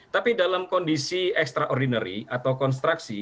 tapi dalam kondisi extraordinary atau konstruksi